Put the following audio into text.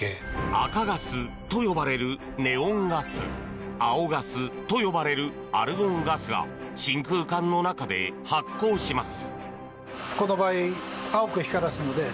赤ガスと呼ばれるネオンガス青ガスと呼ばれるアルゴンガスが真空管の中で発光します。